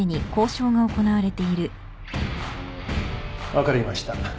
分かりました。